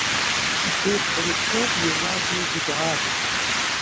بې پرېتوب یوازې ادعا ده.